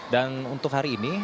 dan untuk hari ini